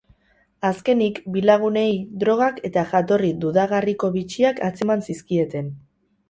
Azkenik, bi lagunei drogak eta jatorri dudagarriko bitxiak atzeman zizkieten.